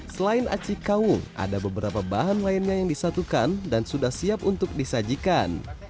selain aci kawung ada beberapa bahan lainnya yang disatukan dan sudah siap untuk disajikan